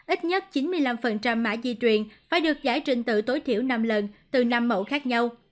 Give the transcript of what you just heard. ít nhất chín mươi năm mã di truyền phải được giải trình tự tối thiểu năm lần từ năm mẫu khác nhau